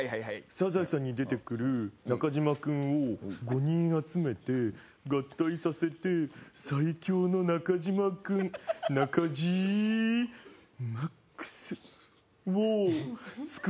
『サザエさん』に出てくる中島君を５人集めて合体させて最強の中島君ナカジマックスを作りたいんですよ。